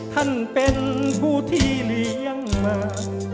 ท่านเป็นผู้ที่เลี้ยงมา